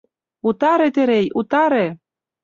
Утаре, Терей, утаре.